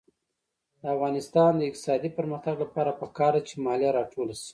د افغانستان د اقتصادي پرمختګ لپاره پکار ده چې مالیه راټوله شي.